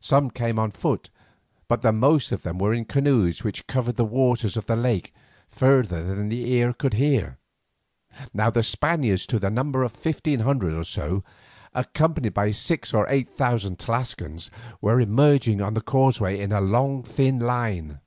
Some came on foot, but the most of them were in canoes which covered the waters of the lake further than the ear could hear. Now the Spaniards to the number of fifteen hundred or so, accompanied by some six or eight thousand Tlascalans, were emerging on the causeway in a long thin line.